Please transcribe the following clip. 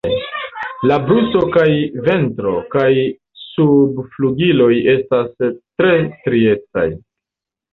La brusto kaj ventro kaj subflugiloj esta tre striecaj.